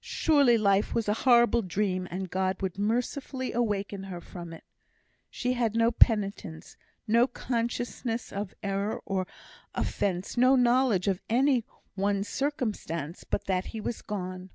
Surely life was a horrible dream, and God would mercifully awaken her from it. She had no penitence, no consciousness of error or offence; no knowledge of any one circumstance but that he was gone.